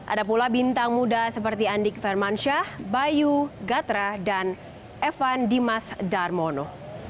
ada pula bintang muda seperti andik firmansyah bayu gatra dan evan dimas darmono